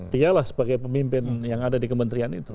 dialah sebagai pemimpin yang ada di kementerian itu